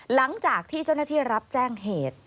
หลังจากที่เจ้าหน้าที่รับแจ้งเหตุ